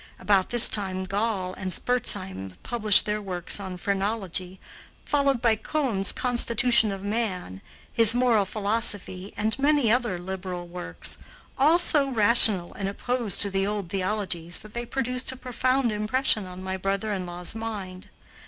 About this time Gall and Spurzheim published their works on phrenology, followed by Combe's "Constitution of Man," his "Moral Philosophy," and many other liberal works, all so rational and opposed to the old theologies that they produced a profound impression on my brother in law's mind.